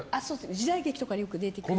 時代劇とかによく出てくる。